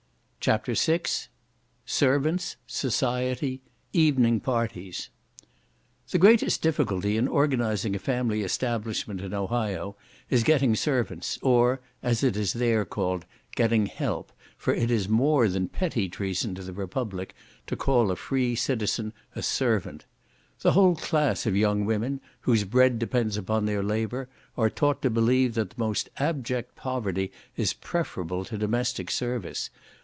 CHAPTER VI Servants—Society—Evening Parties The greatest difficulty in organising a family establishment in Ohio, is getting servants, or, as it is there called, "getting help," for it is more than petty treason to the Republic, to call a free citizen a servant. The whole class of young women, whose bread depends upon their labour, are taught to believe that the most abject poverty is preferable to domestic service.